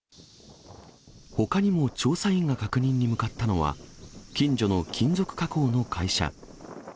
ほかにも調査員が確認に向かったのは、近所の金属加工の会社。